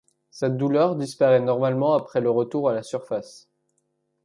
Cette douleur disparaît normalement après le retour à la surface.